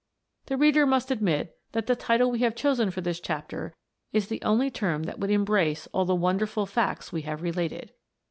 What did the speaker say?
The reader must admit that the title we have chosen for this chapter is the only term that would embrace all the wonderful facts we have related.